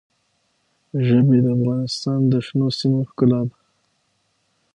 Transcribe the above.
ژبې د افغانستان د شنو سیمو ښکلا ده.